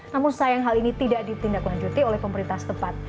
namun sayang hal ini tidak ditindak lanjuti oleh pemerintah setepat